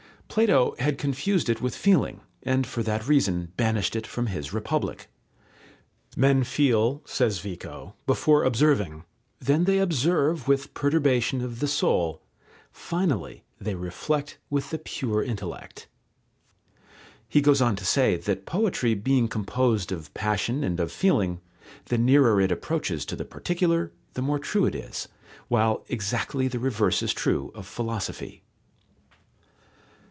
Plato had confused it with feeling, and for that reason banished it from his Republic. "Men feel," says Vico, "before observing, then they observe with perturbation of the soul, finally they reflect with the pure intellect," He goes on to say, that poetry being composed of passion and of feeling, the nearer it approaches to the particular, the more true it is, while exactly the reverse is true of philosophy.